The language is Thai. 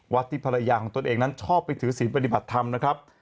ที่ภรรยาของตนเองนั้นชอบไปถือศีลปฏิบัติธรรมนะครับ